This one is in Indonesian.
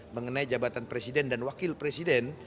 mengenai jabatan presiden dan wakil presiden